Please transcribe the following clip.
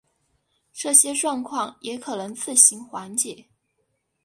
这些状况也可能自行缓解。